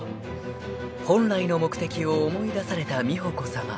［本来の目的を思い出された美保子さま］